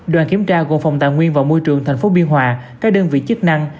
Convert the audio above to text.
đoàn kiểm tra công phòng tạng nguyên và môi trường tp biên hòa các đơn vị chức năng